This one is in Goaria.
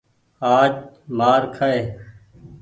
آج مآر کآئي۔